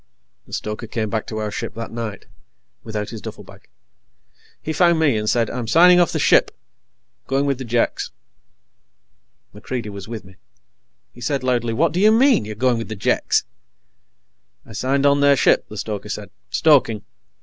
The stoker came back to our ship that night, without his duffelbag. He found me and said: "I'm signing off the ship. Going with the Jeks." MacReidie was with me. He said loudly: "What do you mean, you're going with the Jeks?" "I signed on their ship," the stoker said. "Stoking.